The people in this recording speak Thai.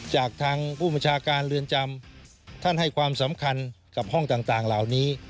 จากทางผู้บัญชาการเรือนจำท่านให้ความสำคัญกับห้องต่างเหล่านี้